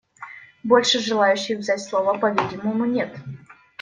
Больше желающих взять слово, по-видимому, нет.